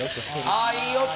ああいい音！